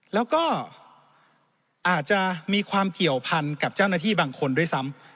แล้วก็อาจจะมีความเกี่ยวพันกับเจ้าหน้าที่บางคนด้วยซ้ำ